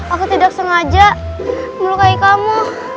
aku tidak sengaja melukai kamu